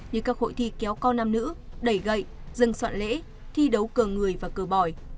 như các hội thi kéo co nam nữ đẩy gậy dừng soạn lễ thi đấu cờ người và cờ bỏi